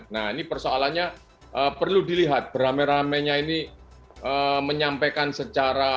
nah ini persoalannya perlu dilihat beramai ramainya ini menyampaikan secara